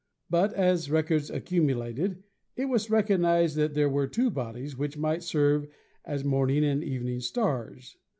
But as records accu mulated it was recognised that there were two bodies which might serve as morning and evening stars.